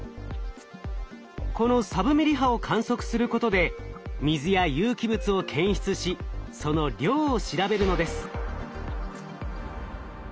このサブミリ波を観測することで水や有機物を検出しその量を調べるのです。